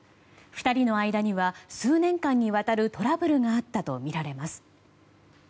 ２人の間には数年間にわたるトラブルがあったとみられます。